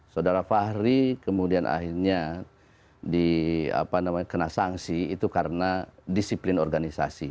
saudara fahri kemudian akhirnya dikena sanksi itu karena disiplin organisasi